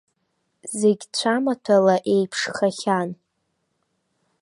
Зегь цәамаҭәала иеиԥшхахьан.